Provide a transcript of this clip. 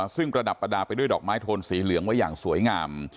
ซึ่งประดับประดาษไปด้วยดอกไม้โทนสีเหลืองไว้อย่างสวยงาม